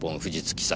記載